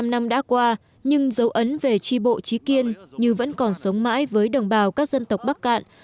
bảy mươi năm năm đã qua nhưng dấu ấn về tri bộ trí kiên như vẫn còn sống mãi với đồng bào các dân tộc bắc cạn